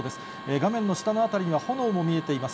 画面の下の辺りには炎も見えています。